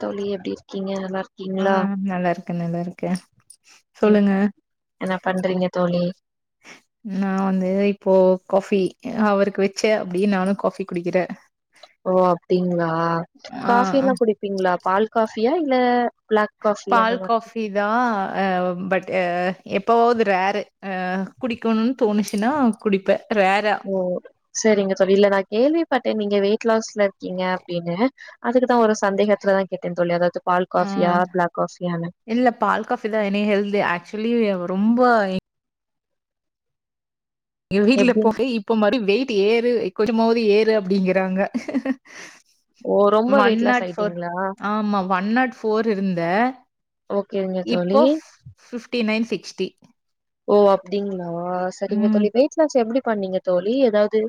தோழி எப்டி இருக்கீங்க நல்லா ஆ இருக்கீங்ளா நல்லா இருக்கே நல்லா இருக்கே உம் சொல்லுங்க ம் என்ன பண்றீங்க தோழி நா வந்து இப்போ காஃபி அவருக்கு வச்சே அப்டியே நானும் காஃபி குடிக்கிறே ஓ அப்டிங்களா ஆ ஆ காஃபின்னா குடிப்பீங்ளா பால் காஃபியா இல்ல பிளாக் காஃபி அந்த பால் மாரி காஃபி இதா பட் எப்போவாவது ரேரு குடிக்கணும்னு தோணுச்சுன்னா குடிப்பே ரேறா ஓ சரிங்க தோழி இல்ல நா கேள்விப்பட்டே நீங்க வெயிட் லாஸ்ல இருக்கீங்க அப்டின்னு அதுக்குதா ஒரு சந்தேகத்துலதா கேட்டேன் தோழி அதாவது பால் ஆ காஃபியா பிளாக் காஃபியானு இல்ல பால் காஃபி தா என்னைய ஹெல்தி ஆக்சுலி ரொம்ப எங்க வீட்ல எப்டி போய் இப்ப மாரி வெயிட் ஏறு கொஞ்சமாவது ஏறு அப்டிங்றாங்க ஓ ரொம்ப one weight loss not four ஆயிட்டீங்களா இருந்தே ஆமா ஒன் நாட் ஃபோர் இருந்தே ஓகேங்க தோழி ஃபிப்டி நைன் சிக்ஸ்டி ஓ அப்டிங்ளா சரிங்க ம். தோழி வெயிட் லாஸ் எப்டி பண்ணீங்க தோழி ஏதாவது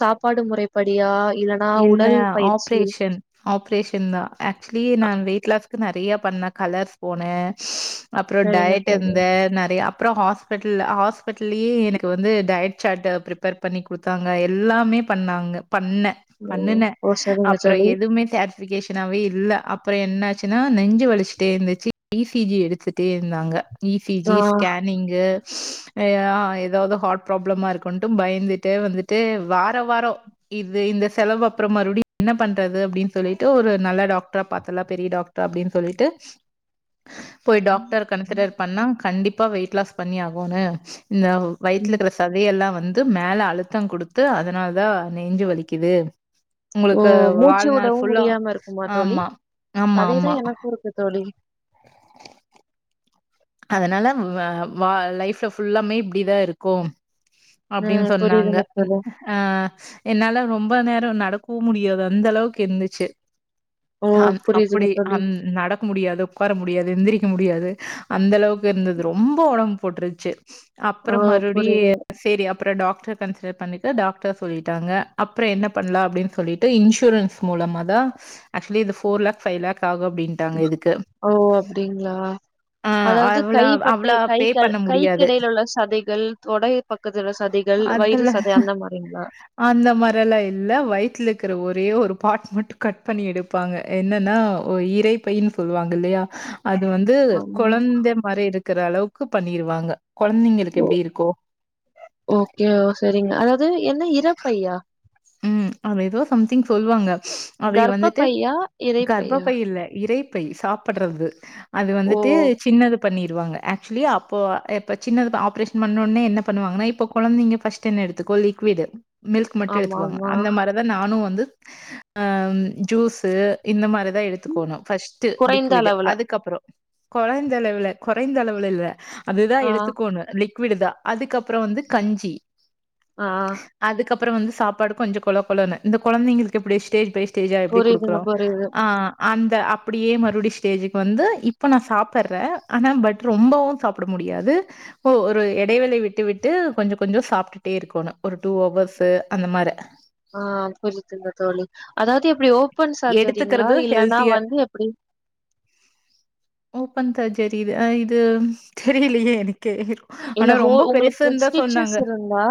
சாப்பாடு முறைப்படியா இல்லன்னா இல்ல உடல் பயிற்சி ஆப்ரேஷன். ஆப்ரேஷன் தா ஆக்சுவலி நா வெயிட் லாஸ்க்கு நெறைய பண்ணே கலர்ஸ் போனே அப்றோம் சரிங்க டயட் தோழி இருந்தே நெறையா அப்றௌம் ஹாஸ்பிட்டல் ஹாஸ்பிட்டல்லையே எனக்கு வந்து டயட் சாட் ப்ரிப்பேர் பண்ணி குடுத்து ங்க எல்லாமே பண்ணாங்க பண்ணே ம் பண்ணுனை ஓ சரிங்க அப்புறோம் தோழி எதுவுமே தே அப்ளிகேஷனாவே இல்ல அப்புறோம் என்னாச்சுன்னா நெஞ்சு வலிச்சுட்டே இருந்துச்சு இ சி ஜி எடுத்துட்டே இருந்தாங்க இ சி ஆ ஜி ஸ்கேன் நீங்க ஏதாவது ஹார்ட் ப்ராப்ளமா இருக்குட்டு பயந்துட்டே வந்துட்டு ட்டு வார வாரோ இது இந்த செலவு அப்புற மறுபடியு என்ன பண்றது அப்படின்னு சொல்லிட்டு ஒரு நல்ல டாக்டரா பார்த்தலா பெரிய டாக்டர் அப்படின்னு சொல்லிட்டு போய் டாக்டர கன்சிடர் பண்ணா கண்டிப்பா வெயிட் லாஸ் பண்ணி ஆகனு இந்த வயித்துல ம் இருக்கிற சதையல்லா வந்து து மேல அழுத்தம் குடுத்து அதனால தா நெஞ்சு வலிக்குது ஓ உங்களுக்கு மூச்சு வாழ்நாள் விடவு ஃபுல்லா முடியாம இருக்குமா தோழி ஆமா ஆமா அதே தா ஆமா எனக்கு இருக்கு தோழி அதனால வா லைஃப்பில ஃபுல்லாமே இப்டி தா இருக்கும் அப்டின்னு ம் சொன்னாங்க புரியுதுங்க தோழி ஆ என்னால ரொம்ப நேர நடக்கவு முடியாது அந்த அளவுக்கு இருந்துச்சு ஓ ஹம் புரியுதுங்க அப்படி தோழி அம் நட க்க முடியாது உட்கார முடியாது எந்திரிக்க முடியாது அந்த அளவுக்கு இருந்தது ரொம்ப உடம்பு போட்டுருச்சு ஓ அப்புறம் மறுபடியு புரியுது செரி அப்புற டாக்டர் கன்சல்ட் பண்ணிட்டு டாக்டர் சொல்லிட்டாங்க அப்புற என்ன பண்ணலா அப்படின்னு சொல்லிட்டு இன்சூரன்ஸ் மூலமா தா ஆக்சுவலி இது ஃபோர் லேக் ஃபை லேக் ஆகு அப்டின் ஓ அப்படிங்களா ஆ அதாவது அவ்ளா கைப்பட்டை அவ்ளா கை பே கால் பண்ண முடியாது. கைக்கிடையில உள்ள சதைகள் தொடை பக்கத்துல சதைகள் வயிறு அதுல சதை அந்த மாரிங்களா அந்த மாரி எல்லா இல்ல வயித்துல இருக்கிற ஒரே ஒரு பார்ட் மட்டு கட் பண்ணி எடுப்பாங்க என்னன்னா இறைப்பைன்னு சொல்லுவாங்க இல்லையா அது வந்து ஆமா குழந்தை மாரி இருக்கிற அளவுக்கு பண்ணிருவாங்க குழந்தைங்களுக்கு ஓ எப்டி இருக்கு ஓகே ஓ சரிங்க அதாவது என்ன இரப்பையா ம் அத எதோ சம்திங் சொல்லுவாங்க அதை வந்துட்டு கர்ப்பப்பையா இரைப்பையா கர்பப்பை இல்ல இரை பை சாப்புட்றது அது ஓ வந்துட்டு சின்னது பண்ணிருவாங்க ஆக்சுவலி அப்போ இப்ப சின்னது ஆப்ரேஷன் பண்ணோனே என்ன பண்ணுவாங்கன்னா இப்ப குழந்தைங்க ஃபஸ்ட் டுன்னு எடுத்துக்கோ லிக்விடு மில்க் மட்டு ஆமா எடுத்துக்குவாங்க ஆமா அந்த மாரி நானு வந்து ஆ ஜூஸ் இந்த மாரிதா எடுத்துக்கணு ஃபஸ்ட் டு குறைந்த லிக்விடு அளவுல அதுக்கப்புற குழந்த அளவுல குறைந்த அளவுல இல்ல அதுதா ஆ எடுத்துக்கணு லிக்விடு தா அதுக்கப்புற வந்து கஞ்சி ஆ அதுக்கப்புற வந்து சாப்பாடு கொஞ்ச கொழ கொழனு இந்த குழந்தைங்களுக்கு எப்டி ஸ்டேஜ் பை ஸ்டே டேஜா எப்டி புரியுதுங்க, குடுக்குறோ புரியுது. ஆ அந்த அப்படியே மறுபடியு ஸ்டேஜ்க்கு வந்து இப்போ நா சாப்புட்றே ஆனா பட் ரொம்பவு சாப் பட முடியாது ஓ ஒரு இடைவெளை விட்டு விட்டு கொஞ்ச கொஞ்சோ சாப்ட்டுட்டே இருக்கணு ஒரு டூ ஹவர்ஸு அந்த மாரி ஆ புரியுதுங்க தோழி அதாவது எப்டி ஓப்பன் சர்ஜரிங்களா எடுத்துக்கறது இல்லனா ஹெல்த்தியா வந்து எப்படி ஓப்பன் சர்ஜரி இது அ இது தெரியலயே எனக்கே இல்ல ஆனா ஹோ ரொம்ப உங்களுக்கு பெருசுன்தா ஸ்டிச்சஸ் சொன்னாங்க இருந்தா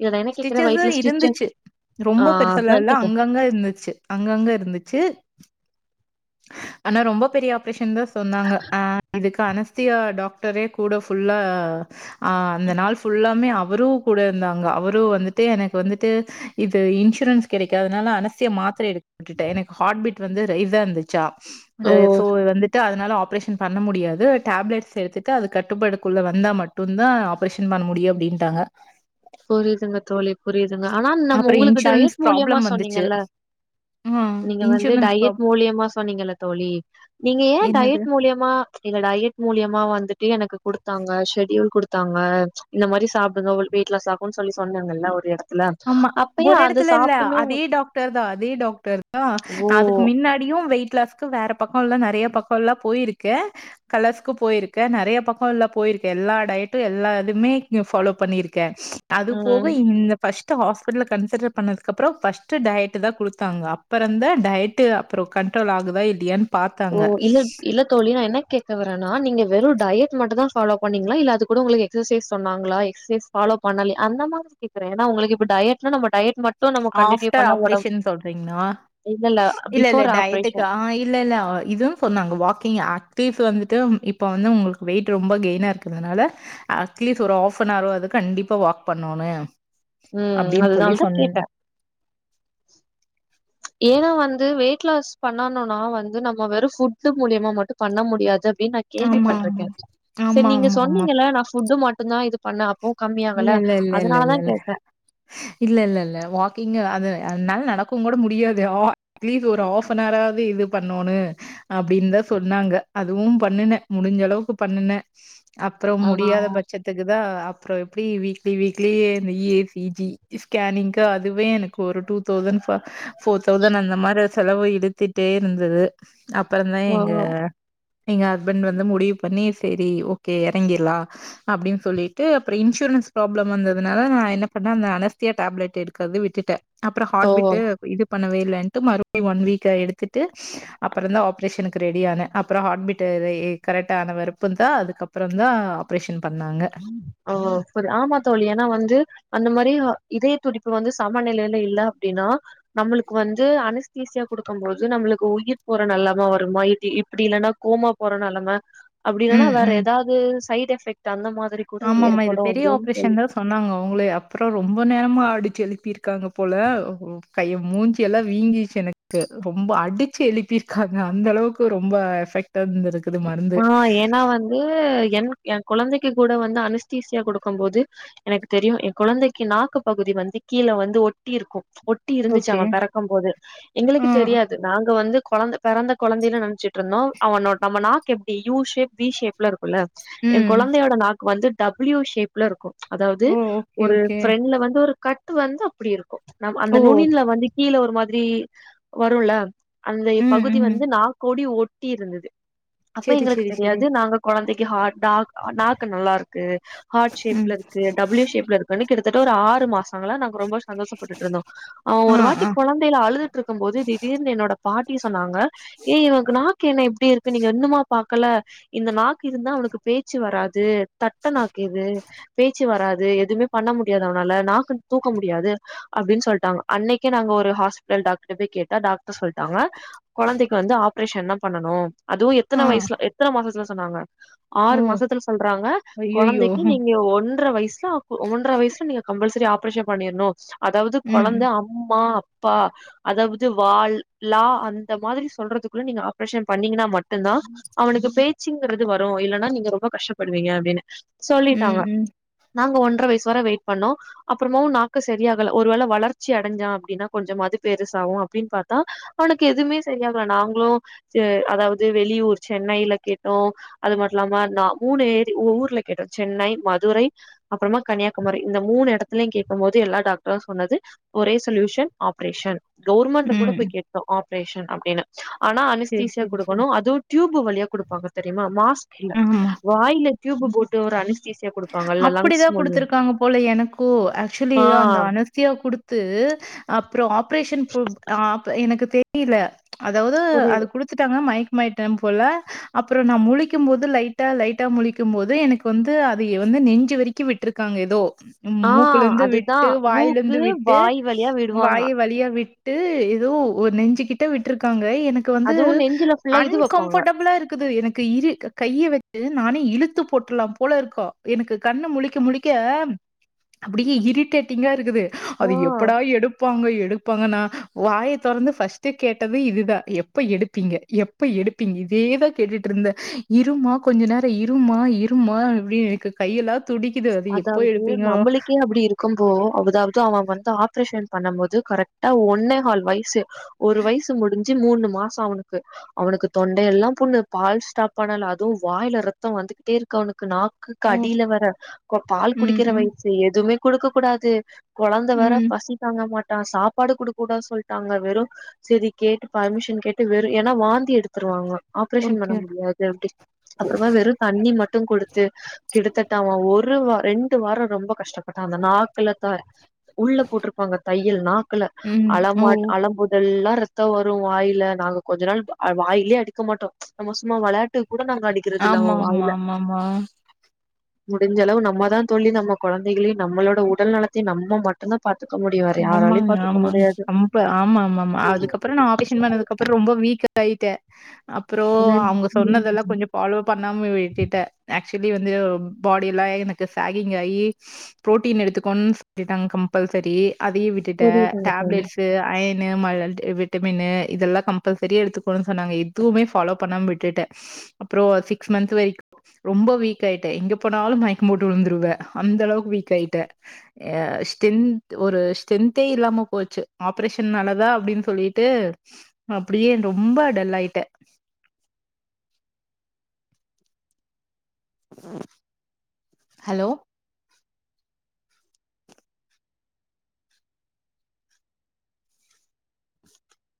இல்ல நான் என்ன கேட்கிறேன் ஸிடிச்சஸ்லா வயித்துல ஸ்டிச்சஸ் இருந்துச்சு ஆ ரொம்ப பெருசல்லா அதான் இல்ல கேட்டேன். அங்கங்க இருந்துச்சு அங்கங்க இருந்துச்சு ஆனா ரொம்ப பெரிய ஆப்ரேஷன் தா சொன்னாங்க அ இதுக்கு அனஸ் த்தியா டாக்டரே கூட ஃபுல்லா ஆ அந்த நாள் ஃபுல்லாமே அவரு கூட இருந்தாங்க அவரு வந்துட்டு எனக்கு வந்துட்டு இது இன்சூரன்ஸ் கிடைக்காதனால அனஸ்த்தியா மாத்திரை எடுத்துகிட்டே எனக்கு ஹார்ட் பீ்ட் வந்து ரைஸா தா இருந்துச் ச்சா ஓ! சோ வந்துட்டு அதனால ஆப்ரேஷன் பண்ண முடியாது டேப்லெட்ஸ் எடுத்துட்டு அது கட்டுப்பாடுக்குள்ள வந்தா மட்டும்தா ஆப்ரேஷன் பண்ண முடியும் அப்படின்ட்டாங்க புரியுதுங்க தோழி புரியுதுங்க ஆனா நம்ம அப்புறம் உங்களுக்கு இன்சூரன்ஸ் டயட் மூலியமா ப்ராப்ளம் வந்துச்சு. சொன்னீங்கல்ல ஆ நீங்க வந்து இன்சூரன்ஸ் டயட் ப்ராப் மூலியமா சொன்னீங்க தோழி நீங்க ஏ என்னது? டயட் மூலியமா இல்ல டயட் மூலியமா வந்துட்டு எனக்கு கொடுத்தாங்க ஷெடியயூல் கொடுத்தாங்க இந்த மாதிரி சாப்பிடுங்க உங்களுக்கு வெயிட் லாஸ் ஆகுனு சொல்லி சொன்னாகல ஒரு இடத்துல ஆமா ஒரு அப்பயும் அது இடத்துல இல்ல சாப்ட்டுமே அதே டாக்டர் தா அதே டாக்டர் தா ஓ அதுக்கு முன்னாடியும் வெயிட் லாஸ் வேற பக்கம் எல்லாம் நிறைய பக்கம் எல்லாம் போயிருக்கு கலர்ஸ்க்க போயிருக்கே நிறைய பக்கம் எல்லாம் போயிருக்கே எல்லா டயட்டும் எல்லா எதுவுமே ஃபாலோ பண்ணியிருக்கே அது ஆ போக இந்த பஸ் ஹாஸ்பிடல் கன்சிடர் பண்ணது அப்புறம் பர்ஸ்ட் டயட் தா கொடுத்தாங்க அப்பறம் தா டயட் வெயிட் அப்புறம் கண்ட்ரோல் ஆகுதா இல்லையன்னனு ஓ பாத்தாங்க இல்ல இல்ல தோழி நா என்ன கேட்க வரன்னா நீங்க வெறும் டயட் மட்டும் தா ஃபாலோ பண்ணீங்களா இல்லா அது கூட உங்களுக்கு எக்சசைஸ் சொன்னாங்களா எகசசைஸ் பாலோ பண்ணா அந்த மாதிரி கேக்குறே ஏன்னா உங்களுக்கு இப்ப டயட்நா டயட் மட்டும் ஆப்டர் ஆப்ரேஷன் சொல்றீங்கன்னா இல்லல்ல இல்ல இல்ல பிஃபோர் டயட்டக்கு ஆப்ரேஷன் ஆ இல்ல இல்ல இது சொன்னாங்க வாக்கிங் ஆக்டிவஸ் வந்துட்டு இப்போ வந்து உங்களுக்கு வெயிட் ரொம்ப கெயினனா இருக்கிறதுனால அட்லீஸ்ட் ஒரு ஹாஃப் அன் அவர் வது கண்டிப்பா வாக் பண்ணோனு ம் அப்படின்னு சொல்லி அதனாலதா சொன் கேட்டே ஏன்னா வந்து வெயிட் லாஸ் பண்ணணும்னா வந்து நம்ம வெறும் ஃபுட் மூலியமா மட்டும் பண்ண முடியாது அப்படின்னு நா ஆமா ஆமா கேள்விப்பட்டிருக்கே சரி ஆமா நீங்க ஆமா ஆமா சொன்னீங்க நா ஃபுட்டு மட்டும்தா இது பண்ண அப்பவும் இல்ல கம்மியாங்கல்ல இல்ல இல்ல இல்ல அதனால தா இல்ல கேட்ட இல்ல இல்ல இல்ல வாக்கிங அது அதனால நடக்கும் கூட முடியாது அட்லீஸ்ட் ஒரு ஹாஃப் அன்ரா ஆவது இது பண்ணோன்னு அப்படின்னுதா சொன்னாங்க அதுவும் பண்ணுனே முடிஞ்ச அளவுக்கு பண்ணுனே அப்புறம் ஆ முடியாத பட்சத்துக்கு தா அப்புறம் எப்படி வீக்லி வீக்லி இசிஜி ஸ்கேனிங்க அதுவே எனக்கு ஒரு டூ தௌசண்ட் ஃபோர் தௌசண்ட் அந்த மாதிரி செலவு இழுத்துட்டே இருந்தது அப்பறம்தா ஓ எங்க எங்க ஹஸ்பண்ட் வந்து முடிவு பண்ணி சரி ஓகே இறங்கலா அப்படின்னு சொல்லி ட்டு அப்புற இன்சுரன் ப்ராப்ளம் வந்தது நால என்ன பண்ண அந்த அனஸ்தியா டப்லட் எடுக்கிறத விட்டுட்ட அப்புறம் ஓ ஹார்ட்பிட்டு இது பண்ணவே இல்ன்ட்டு மறுபடியும் ஒன் வீக் எடுத்துட்டு அப்புறம் தா ஆப்ரேஷனுக்கு ரெடி ஆன அப்புறம் ஹார்ட் பீட் கரெக்ட் ஆன வெறுப்பு தா அதுக்கப்புறம் தா ஆப்ரேஷன் பண்ணாங்க ஓ புரி ஆமா தோழி ஏன்னா வந்து அந்த மாதிரி இதய துடிப்பு வந்து சமான நிலையில இல்ல அப்படின்னா நம்மளுக்கு வந்து அனஸ்தீசியா குடுக்கும் போது நம்மளுக்கு உயிர் போற நிலம வருமா இப்படி இல்ன்னா கோமா போற நிலம அப்படி இல்லனா ம் வேற ம் ஏதாவது சைட் எஃபெக்ட் அந்த மாதிரி கூட ஆமாமா இது ஏற்படு பெரிய அப்டின்னு கேள்வி ஆப்ரேஷன் சொன்னாங்க அவங்கலே அப்புறம் ரொம்ப நேரமா ஆடிச்சு எழுப்பியிருக்காங்க போல கைய மூஞ்சில்லாம் வீங்கிச்சு எனக்கு ரொம்ப அடிச்சு எழுப்பியிருக்காங்க அந்த அளவுக்கு ரொம்ப எஃபெக்ட் தந்திருக்கு ஆ ஏன்னா வந்து என் என் குழந்தைக்கு கூட வந்து அனுஸ்திசியா கொடுக்கும் போது எனக்கு தெரியும் எ குழந்தைக்கு நாக்கு பகுதி வந்து கீழே வந்து ஒட்டி இருக்கு ஒட்டி இருந்துச்ச ஓகே. அவ பிறக்கும் போது ஆ. எங்களுக்கு தெரியாது நாங்க வந்து குழ பிறந்த குழந்தையில நனச்சு இருந்தோ அவனோ நம்ம நாக்கு எப்படி யூ ஷேப் வி ஷேப்ல இருக்குல்ல எ ம். குழந்தையோட நாக்கு வந்துடபள்யூ ஷேப்ல இருக்கும் அதாவது ஓ! ஓகே, ஒரு ஓகே. பிரண்ட்ல வந்து ஒரு கட் ட்டு வந்து அப்டி இருக்கு நம் அந்த ஓ! நுண்ணின்ல வந்து கீழ ஒரு மாதிரி வருல அந்த ம், பகுதி ம். வந்து நாக்கோடி ஒட்டி இருந்தது அப்ப சரி, எங்களுக்கு சரி, சரி. தெரியாது நாங்க குழந்தைக்கு ஹார்ட் நாக் நாக்கு நல்லா இருக் க்கு ஹார்ட் ம். ஷேப்ல இருக்கு டபூல்யு ஷேப்ல இருக்குன்னு கிட்டத்தட்ட ஒரு ஆறு மாசங்களா நாங்க ரொம்ப சந்தோஷப்பட்டுட்டு இருந்தோ ஆஹ் ஆ, ஒரு வாட்டி ஆ, குழந்தையில அழுதுட்டு இருக்கும் போது திடீர்னு என்னோட பாட்டி சொன்னாங்க ஏய் இவனக்கு நாக்கு என்ன எப்டி இருக்கு நீங்க இன்னுமா பாக்கல இந்த நாக்கு இருந்தா அவனுக்கு பேச் பேச்சு வராது தட்ட நாக்கு இது பேச்சு வராது எதுமே பண்ண முடியாது அவனால நாக்கு தூக்க முடியாது அப்டின்னு சொல்ட்டாங்க அன்னைக்கே நாங்க ஒரு ஹாஸ்பிட்டல் டாக்டர்ட போய் கேட்டா டாக்டரு சொல்லிட்டாங்க குழந்தைக்கு வந்து ஆப்ரேஷன் தா பண்ணனு அதுவு ஆ. எத்தன வயசுல எத்தன மாசத்துல சொன்னாங்க ஓ! ஆறு மாசத்துல சொல்றாங்க அய்யய்யோ! குழந்தைக்கு நீங்க ஒன்றர வயசுல ஒன்ற வயசுல நீங்க கம்பல்சரி ஆப்ரேஷன் பண்ணிருணு அதாவ்து ம், குழந்த அம்மா அப்பா அதாவ்து வாள்லா அந்த மாதிரி சொல்றதுக்குள்ள நீங்க ஆப்ரேஷன் பண்ணீங்கன்னா மட் மட்டுதா அவனுக்கு பேச்சுங்கிறது வரு இல்லன்னா நீங்க ரொம்ப கஷ்டப்படுவீங்க அப்டின்னு ம், சொல்லிட்டாங்க ம், நாங்க ஒன்றரை வயசு வர வெயிட் பண்ணோ அப்புறமு நாக்கு சரியாகல ஒரு வேளை வளர்ச்சி அடைஞ்சா அப்டின்னா கொஞ்சமாவது பெருசாகு அப்டின்னு பாத்தா அவனுக்கு எதுவுமே சரியாகல நாங்களு அதாவது வெளியூர் சென்னையில கேட்டோ அது மட்டு இல்லாம நா மூணு ஏரி ஊர்ல கேட்டோ சென்னை மதுரை அப்புறமா கன்னியாகுமரி இந்த மூணுடத்துலயு கேக்கும்போது எல்லா டாக்டரு சொன்னது ஒரே சொல்யூஷன் ஆப்ரேஷன் கவுர்மெண்ட்ல கூட ம். போய் கேட்டோ ஆப்ரேஷன் அப்டின்னு ஆனா சரி, அனுஸ்தீசியா சரி, குடு சரி. அதுவு டியூப் வழியா கொடுப்பாங்க தெரியுமா மாஸ்க் இல்ல ஆமா. வாயில டியூப்பு போட்டு ஒரு அனுஸ்தீசியா கொடுப்பாங்கல்ல லங்ஸ் அப்படிதான் மூலியு குடுத்துருக்காங்க போல ஆஹ் சியா கொடுத்து அப்புறோ ஆப்ரேஷன் எனக்கு தெரியல அதாவ்து அது புரியுது குடுத்துட்டாங்கனா மைக்கமாய்ட்டா போல அப்புறோ நா முழிக்கும் போது லைட்டா லைட்டா முழிக்கும் போது எனக்கு வந்து அதைய வந்து நெஞ்சு வரைக்கு விட்டுருக்காங்க எதோ ஆ மூக்குல இருந்து அதுதா விட்டு வாயில மூக்கு இருந்து விட்டு வாய் வழியா விடுவாங்க வாய் வழியா விட் ட்டு எதோ ஒரு நெஞ்சு கிட்ட விட்டுருக்காங்க எனக் கு வந்து அதுவு நெஞ்சுல ஃபுல்லா இது வெப்பாங்க அன்கம்ஃபடபிளா இருக்குது எனக்கு இரு கைய வச்சு நானே இழுத்து போட்டுர்லா போல இருக்கா எனக்கு கண்ணு முழிக்க முழிக்க அப்டியே இரிட்டேட்டிங்கா இருக்குது அது ஆ எப்படா எடுப்பாங்க எடுப்பாங்கன்னா வாய திறந்து ஃபர்ஸ்ட்டு கேட்டது இதுதா எப்ப எடுப்பீங்க எப்ப எடுப்பீங்க இதேதா கேட்டுட்டு இருந்தே இருமா கொஞ்ச நேரோ இருமா இருமா அப்டின்னு கையல்லா அதாவ்து நம்மளுக்கே அப்டி இருக் இருக்கும் போ அதாவ்து அவெ வந்து ஆப்ரேஷன் பண்ணும் போது கரெக்டா ஒன்னே ஹால் வயசு ஒரு வயசு முடிஞ்சு மூணு மாசோ அவனுக்கு அவனுக்கு தொண்டையெல்லா புண்ணு பால் ஸ்டாப் பண்ணல அதுவு வாயில ரத்தோ வந்துகிட்டே இருக்கு அவனுக்கு நாக் ஓ கடியில வர பால் ம் குடிக்கிற ம் வயசு எதுவுமே குடுக்க கூடாது குழந்த வேற ம் பசித் தாங்க மாட்டா சாப்பாடு கொடுக்க கூடா சொல்ட்டாங்க வெறு சரி கேட்டு பர்மிஷன் கேட்டு வெறும் ஏன்னா வாந்தி எடுத்துருவாங்க ஆப்ரேஷன் பண்ண ஓகே முடியாது அப்டி அப்றமா வெறும் தண்ணி மட்டு கொடுத்து கிட்டதட்ட அவ ஒரு வா ரெண்டு வாரோ ரொம்ப கஷ்டப்பட்டா அந்த நாக்குல தா உள்ள போட்ருப்பாங்க தையல் நாக்குல ம் ஓ அழமாட் அழம்போதெல்லா ரெத் தோ வரு வாயில நாங்க கொஞ்ச நாள் அ வாயிலயே அடிக்க மாட்டோ நம்ம சும்மா வெளையாட் டுக் கூட நாங்க அடிக்கிறது இல்ல அவன் ஆமாமா ஆமாமா முடிஞ்சளவு நம்மதா தோழி நம்ம கொழந்தைகளையு நம்மளோட உடல் நலத்தையு நம்ம மட் ஆமாங்க ஆமா முடியாது கம்ப ஆமாமாமா அதுக்கப்பறோ நா ஆபீஷன் பண்ணதுக்கப்பறோ ரொம்ப வீக்கா காயிட்ட அப்றோ ம் அவங்க ம் சொன்னதெல்லா கொஞ்சப் ஃபாலோ பண்ணாம விட்டுட்டே ஆக்சுலி வந்து பாடியெல்லா எனக்கு சேகிங் ஆயி புரோட்டீன் எடுத்துக்கோன் சொல்லிட்டாங் கம்பல்சரி அதையு விட்டுட்டே புரியுதுங்க தோழி டேப்லெட்ஸூ அயனு மல்லல்ட் அ விட்டமின்னு இதெல்லா கம்பல்சரி எடுத்துக்கோணு சொன்னாங்க எதுவுமே ஃபாலோ பண்ணாம விட்டுட்டே அப்றோ சிக்ஸ் மந்த் வரைக் ரொம்ப வீக் ஆயிட்டே எங்க போனாலு மயக்கம்போட்டு விழுந்துருவே அந்தளவுக்கு வீக் ஆயிட்டே யா ஸ்டென்த்து ஒரு ஸ்டென்த்தே இல்லாம போச்சு ஆப்ரேஷன் நாலதா அப்டின் சொல்லிட்டு அப்டியே ரொம்ப டல்லாயிட்டே ஹலோ